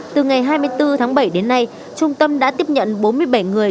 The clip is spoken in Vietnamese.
từ ngày hai mươi bốn tháng bảy đến nay trung tâm đã tiếp nhận bốn mươi bảy người